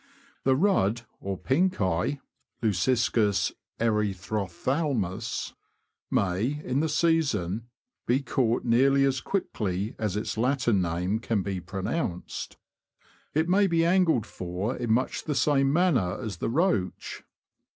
! The Rudd, or Pink eye {Leuciscus erythrophthal mus)^ may, in the season, be caught nearly as quickly The Rudd. as its Latin name can be pronounced. It may be angled for in much the same manner as the roach.